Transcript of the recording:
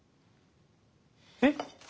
えっ？